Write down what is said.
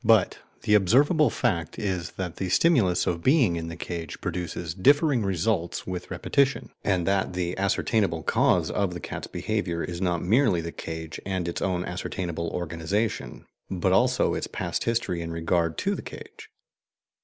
But the observable fact is that the stimulus of being in the cage produces differing results with repetition, and that the ascertainable cause of the cat's behaviour is not merely the cage and its own ascertainable organization, but also its past history in regard to the cage.